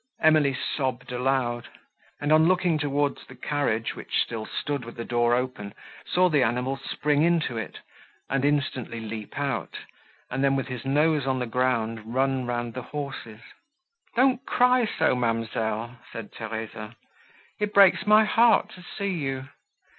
Emily sobbed aloud; and, on looking towards the carriage, which still stood with the door open, saw the animal spring into it, and instantly leap out, and then with his nose on the ground run round the horses. "Don't cry so, ma'amselle," said Theresa, "it breaks my heart to see you."